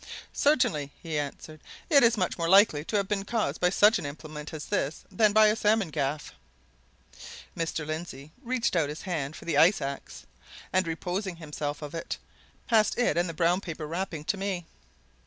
"Certainly!" he answered. "It is much more likely to have been caused by such an implement as this than by a salmon gaff." Mr. Lindsey reached out his hand for the ice ax, and, repossessing himself of it, passed it and its brown paper wrapping to me.